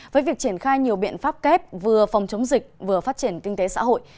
với việc triển khai nhiều biện pháp kép vừa phòng chống dịch vừa phát triển kinh tế xã hội